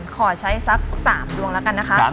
ขอใช้๓ดวงแล้วกันนะครับ